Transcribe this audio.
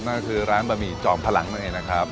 นั่นก็คือร้านบะหมี่จอมพลังนั่นเองนะครับ